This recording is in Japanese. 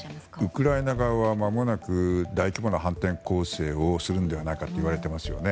ウクライナ側はまもなく大規模な反転攻勢をするのではないかといわれていますよね。